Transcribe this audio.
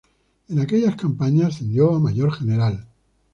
En aquellas campañas ascendió a Mayor general.